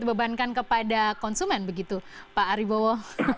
dibabankan kepada konsumen begitu pak arie bowo